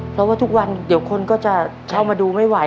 เพราะว่าอยากมีคนที่จะมาดูไม่ไหว